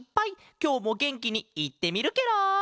きょうもげんきにいってみるケロ！